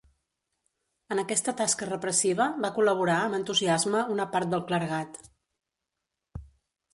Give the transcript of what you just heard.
En aquesta tasca repressiva va col·laborar amb entusiasme una part del clergat.